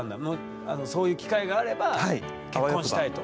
そういう機会があれば結婚したいと。